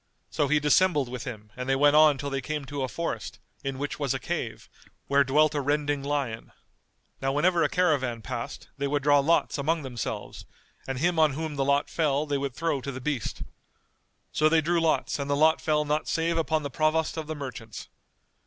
So he dissembled with him and they went on till they came to a forest, in which was a cave, where dwelt a rending lion. Now whenever a caravan passed, they would draw lots among themselves and him on whom the lot fell they would throw to the beast. So they drew lots and the lot fell not save upon the Provost of the Merchants.